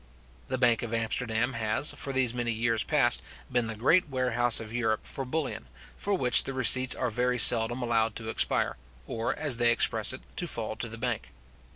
The bank of Amsterdam has, for these many years past, been the great warehouse of Europe for bullion, for which the receipts are very seldom allowed to expire, or, as they express it, to fall to the bank.